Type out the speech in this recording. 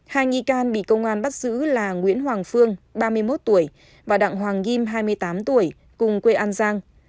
hai nghi can bị công an bắt giữ là nguyễn hoàng phương ba mươi một tuổi và đặng hoàng kim hai mươi tám tuổi cùng quê an giang